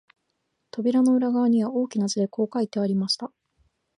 扉の裏側には、大きな字でこう書いてありました